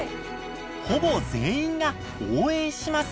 ほぼ全員が「応援します」。